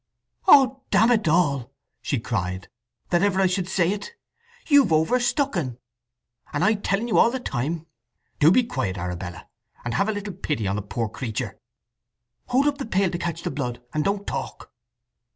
"'Od damn it all!" she cried, "that ever I should say it! You've over stuck un! And I telling you all the time—" "Do be quiet, Arabella, and have a little pity on the creature!" "Hold up the pail to catch the blood, and don't talk!"